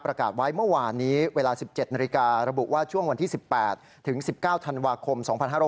ประกาศไว้เมื่อวานนี้เวลา๑๗นาฬิการะบุว่าช่วงวันที่๑๘ถึง๑๙ธันวาคม๒๕๖๐